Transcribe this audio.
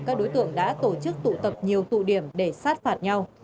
các đối tượng đã tổ chức tụ tập nhiều tụ điểm để sát phạt nhau